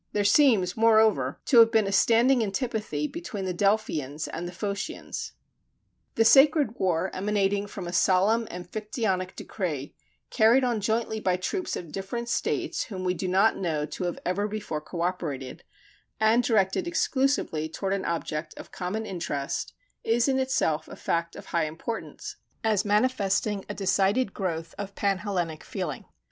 There seems, moreover, to have been a standing antipathy between the Delphians and the Phocians. The Sacred War emanating from a solemn Amphictyonic decree, carried on jointly by troops of different states whom we do not know to have ever before coöperated, and directed exclusively toward an object of common interest is in itself a fact of high importance, as manifesting a decided growth of pan Hellenic feeling.